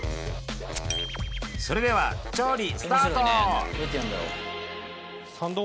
それでは調理スタート！